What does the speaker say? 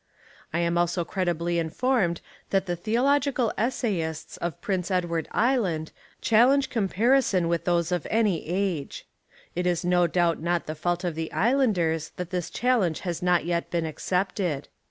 I am also credibly informed that the theological es sayists of Prince Edward Island challenge com parison with those of any age. It is no doubt not the fault of the Islanders that this chal lenge has not yet been accepted.